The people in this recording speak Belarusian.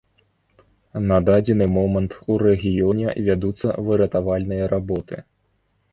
На дадзены момант у рэгіёне вядуцца выратавальныя работы.